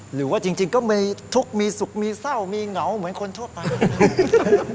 หรือว่าจริงก็มีทุกข์มีสุขมีเศร้ามีเหงาเหมือนคนทั่วไป